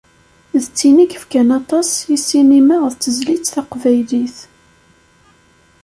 D tin i yefkan aṭas i ssinima d tezlit taqbaylit.